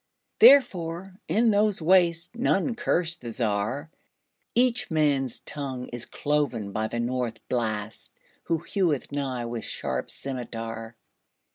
Therefore, in those wastesNone curse the Czar.Each man's tongue is cloven byThe North Blast, who heweth nighWith sharp scymitar.